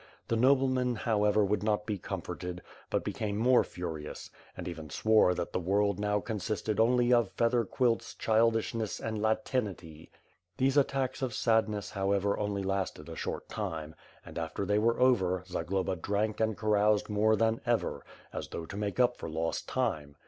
The nobleman however would not be comforted, but became more furious; and even swore that the world now consisted only of feather quilts, childishness and Latinity. These attacks of sadness, however, only lasted a short time; and, after they were over, Zagloba drank and caroused more than ever, as though to make up for lost time.